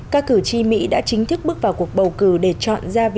các cử tri mỹ đã chính thức bước vào cuộc bầu cử để chọn ra vị trí của tổng thống park geun hye